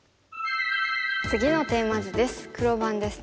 次のテーマ図です。